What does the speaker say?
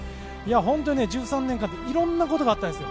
本当に１３年間いろんなことがあったんですよ。